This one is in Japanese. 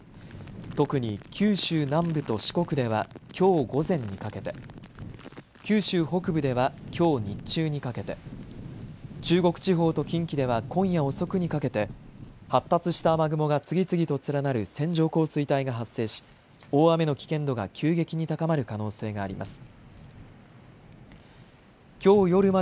特に九州南部と四国ではきょう午前にかけて九州北部ではきょう日中にかけて、中国地方と近畿では今夜遅くにかけて、発達した雨雲が次々と連なる線状降水帯が発生し大雨の危険度が急激に高まる可能性があります。